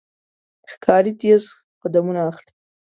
ښکاري تیز قدمونه اخلي.